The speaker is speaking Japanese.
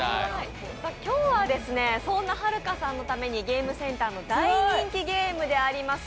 今日はそんなはるかさんのためにゲームセンターの大人気ゲームであります